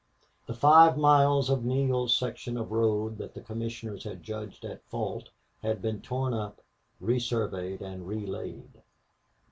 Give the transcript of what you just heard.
The five miles of Neale's section of road that the commissioners had judged at fault had been torn up, resurveyed, and relaid.